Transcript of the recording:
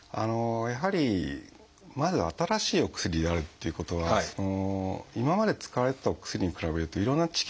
やはりまず新しいお薬であるっていうことは今まで使われてたお薬に比べるといろんな知見が少ないんですね。